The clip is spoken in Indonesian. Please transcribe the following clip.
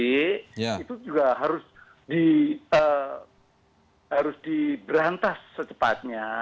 itu juga harus diberantas secepatnya